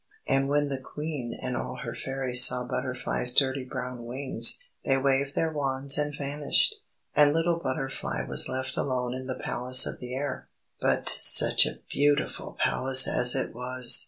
And when the Queen and all her Fairies saw Butterfly's dirty brown wings, they waved their wands and vanished. And little Butterfly was left alone in the Palace of the Air. But such a beautiful palace as it was!